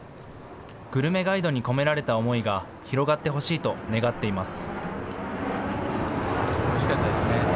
グルメガイドに込められた思いが広がってほしいと願っています。